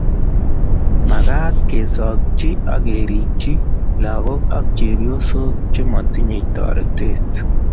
Makaat kesochi akerirchi lakok ak chepyosok chematinyei toretet